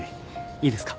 いいですか？